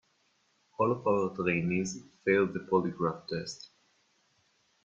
All of our trainees failed the polygraph test.